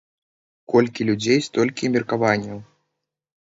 Колькі людзей, столькі і меркаванняў.